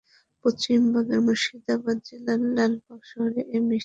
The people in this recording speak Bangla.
পশ্চিমবঙ্গের মুর্শিদাবাদ জেলার লালবাগ শহরে এই মিষ্টির আবির্ভাব।